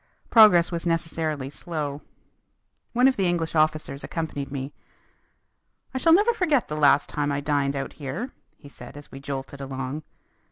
Progress was necessarily slow. One of the English officers accompanied me. "I shall never forget the last time I dined out here," he said as we jolted along.